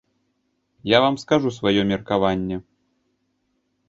Я вам скажу сваё меркаванне.